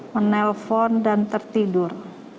menelpon dan tertidur